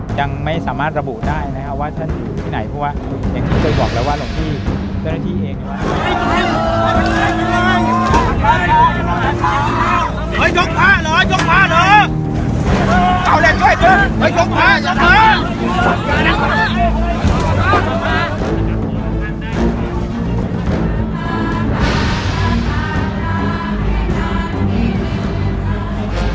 ยังไม่สามารถระบุได้นะครับว่าท่านอยู่ที่ไหนเพราะว่าอย่างที่เคยบอกแล้วว่าหลวงพี่เจ้าหน้าที่เอง